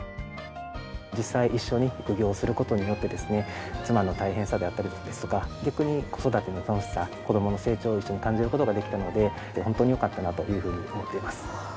実際一緒に育業する事によってですね妻の大変さであったりですとか逆に子育ての楽しさ子どもの成長を一緒に感じる事ができたので本当によかったなというふうに思っています。